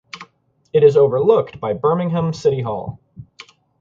It is overlooked by Birmingham City Hall.